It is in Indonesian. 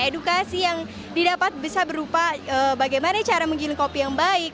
edukasi yang didapat bisa berupa bagaimana cara menggiling kopi yang baik